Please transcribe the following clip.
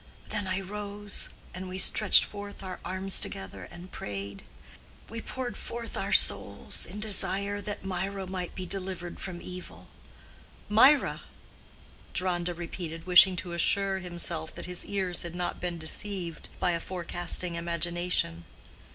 Then I rose, and we stretched forth our arms together and prayed. We poured forth our souls in desire that Mirah might be delivered from evil." "Mirah?" Deronda repeated, wishing to assure, himself that his ears had not been deceived by a forecasting imagination.